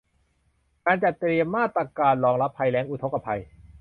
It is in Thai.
การจัดเตรียมมาตรการรองรับภัยแล้ง อุทกภัย